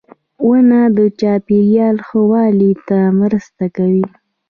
• ونه د چاپېریال ښه والي ته مرسته کوي.